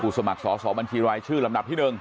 กูสมัครสอบสอบบัญชีรายชื่อลำดับที่หนึ่ง